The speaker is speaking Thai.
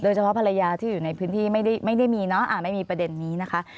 เฉพาะภรรยาที่อยู่ในพื้นที่ไม่ได้มีเนอะไม่มีประเด็นนี้นะคะ